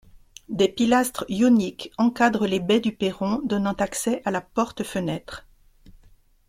Des pilastres ioniques encadrent les baies du perron donnant accès à la porte-fenêtre.